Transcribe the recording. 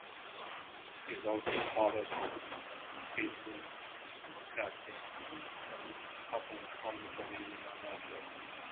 He is also father to Caitlin Macatee, an up-and-coming comedian and author.